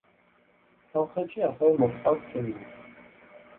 სამხრეთში ასევე მოჰყავთ სიმინდი.